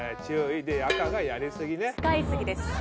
赤がやりすぎね。